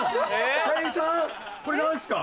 これ何ですか？